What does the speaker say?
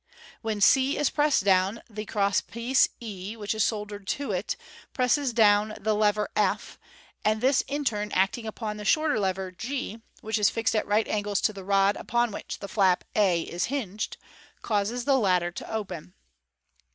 When 440 MVDERN MAGIC, • i < pressed down, the crosspiece e, which is soldered to it, presses own the lever/, and this in turn acting upon the shorter lever g, which is fixed at right angles to the rod upon which the flap a is hinged, causes the latter to open.